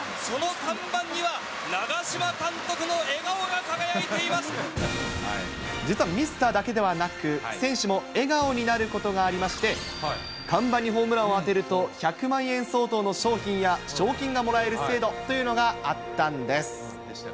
その看板には、実はミスターだけではなく、選手も笑顔になることがありまして、看板にホームランを当てると、１００万円相当の商品や賞金がもらえる制度というのがあったんです。